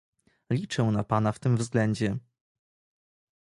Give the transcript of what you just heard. Liczę na pana w tym względzie